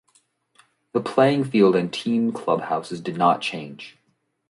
The playing field and team clubhouses did not change.